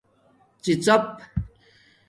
ڎی ڎاپ